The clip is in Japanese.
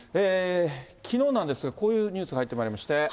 きのうなんですが、こういうニュースが入ってまいりまして。